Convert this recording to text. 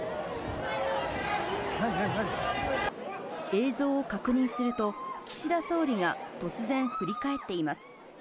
映像を確認すると、岸田総理が突然、振り返っています。